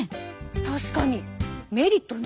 確かにメリットね。